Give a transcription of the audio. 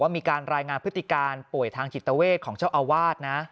มีการรายงานพฤติการป่วยทางจิตเวทของเจ้าอาวาสนะ